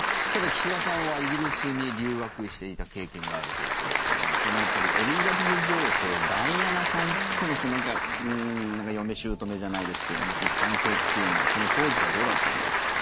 岸田さんはイギリスに留学していた経験があるということですけどもエリザベス女王とダイアナさんとの嫁姑じゃないですけどその関係っていうのはその当時はどうだったんでしょう。